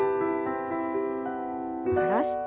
下ろして。